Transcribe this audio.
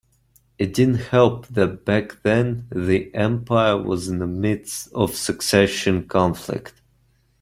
It didn't help that back then the empire was in the midst of a succession conflict.